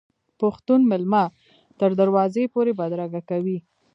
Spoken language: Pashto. پښتون میلمه تر دروازې پورې بدرګه کوي.